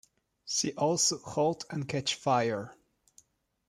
See also "Halt and Catch Fire".